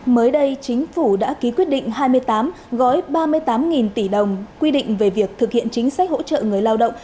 mới đây chính phủ đã ký quyết định hai mươi tám gói ba mươi tám tỷ đồng quy định về việc thực hiện chính sách hỗ trợ người lao động